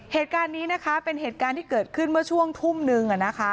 เหตุการณ์นี้นะคะเป็นเหตุการณ์ที่เกิดขึ้นเมื่อช่วงทุ่มนึง